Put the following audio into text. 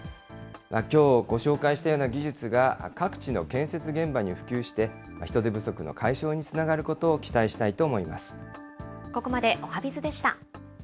きょうご紹介したような技術が各地の建設現場に普及して、人手不足の解消につながることを期待したいと思います。